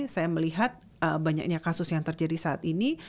saya melihat banyaknya kasus yang terjadi saat ini